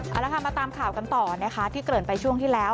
เอาละค่ะมาตามข่าวกันต่อนะคะที่เกริ่นไปช่วงที่แล้ว